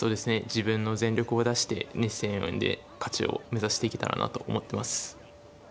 自分の全力を出して熱戦譜で勝ちを目指していけたらなと思ってます。